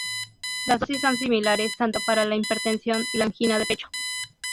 Las dosis son similares tanto para la hipertensión y la angina de pecho.